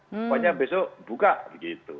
pokoknya besok buka begitu